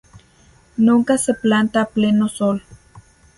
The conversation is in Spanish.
Nunca se planta a pleno sol.